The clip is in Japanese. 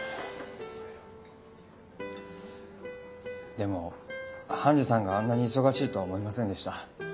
でも判事さんがあんなに忙しいとは思いませんでした。